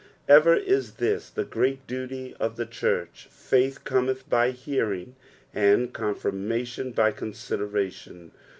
Ever is this the great duty of the church. Faith cometh by hearing, and confirmation by consideration.